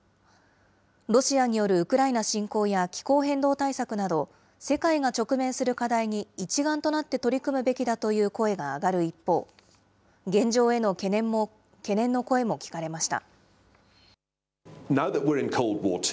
ロシアによるウクライナ侵攻や気候変動対策など、世界が直面する課題に一丸となって取り組むべきだという声が上がる一方、現状への懸念の声も聞かれました。